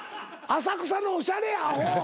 浅草のおしゃれやアホ。